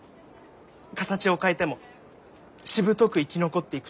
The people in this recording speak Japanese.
形を変えてもしぶとく生き残っていくところ。